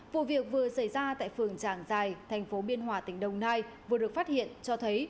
vụ việc vừa xảy ra tại phường tràng giài thành phố biên hòa tỉnh đồng nai vừa được phát hiện cho thấy